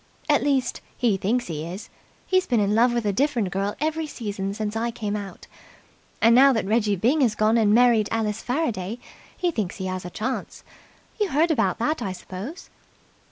"At least, he thinks he is. He's been in love with a different girl every season since I came out. And now that Reggie Byng has gone and married Alice Faraday, he thinks he has a chance. You heard about that, I suppose?"